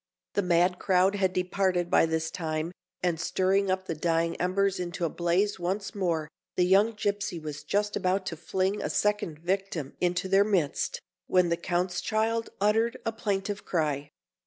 The mad crowd had departed by this time; and stirring up the dying embers into a blaze once more, the young gipsy was just about to fling a second victim into their midst, when the Count's child uttered a plaintive cry.